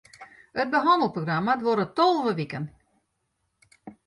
It behannelprogramma duorret tolve wiken.